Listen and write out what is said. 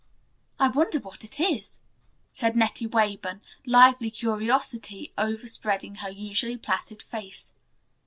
"I wonder what it is," said Nettie Weyburn, lively curiosity overspreading her usually placid face.